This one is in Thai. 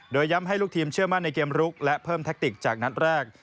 โดยย้ำให้ลูกทีมเชื่อมั่นในเกมรุกและเพิ่มแทคติกจากนัดแรก